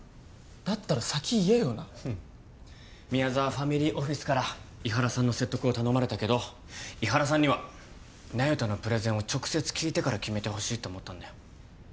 だったら先言えよなフッ宮沢ファミリーオフィスから伊原さんの説得を頼まれたけど伊原さんには那由他のプレゼンを直接聞いてから決めてほしいと思ったんだよ